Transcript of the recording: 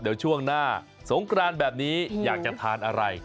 เดี๋ยวช่วงหน้าสงกรานแบบนี้อยากจะทานอะไร